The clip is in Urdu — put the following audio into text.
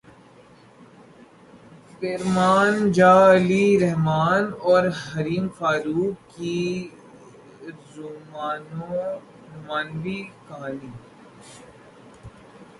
ہیر مان جا علی رحمن اور حریم فاروق کی رومانوی کہانی